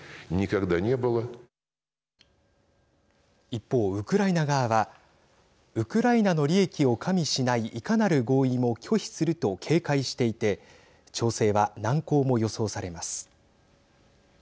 一方、ウクライナ側はウクライナの利益を加味しないいかなる合意も拒否すると警戒していて調整は難航も予想されます。